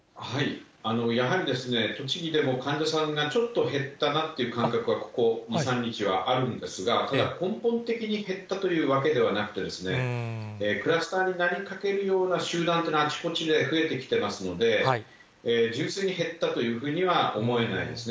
やはり栃木でも患者さんがちょっと減ったなという感覚は、ここ２、３日はあるんですが、ただ、根本的に減ったというわけではなくて、クラスターになりかけるような集団というのは、あちこちで増えてきてますので、純粋に減ったというふうには思えないですね。